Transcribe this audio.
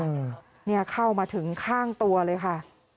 เนี่ยเข้ามาถึงข้างตัวเลยค่ะ